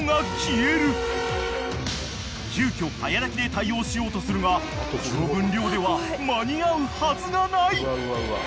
［急きょ早炊きで対応しようとするがこの分量では間に合うはずがない］